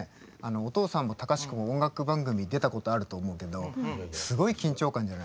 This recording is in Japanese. お父さんも隆子も音楽番組に出たことあると思うけどすごい緊張感じゃない。